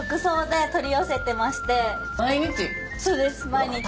毎日？